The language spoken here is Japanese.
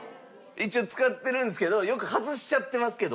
一応使ってるんですけどよく外しちゃってますけど。